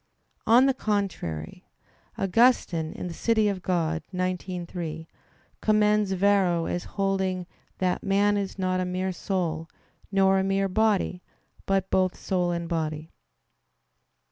On the contrary, Augustine (De Civ. Dei xix, 3) commends Varro as holding "that man is not a mere soul, nor a mere body; but both soul and body."